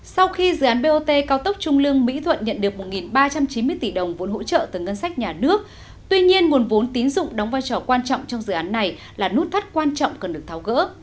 sau khi dự án bot cao tốc trung lương mỹ thuận nhận được một ba trăm chín mươi tỷ đồng vốn hỗ trợ từ ngân sách nhà nước tuy nhiên nguồn vốn tín dụng đóng vai trò quan trọng trong dự án này là nút thắt quan trọng cần được tháo gỡ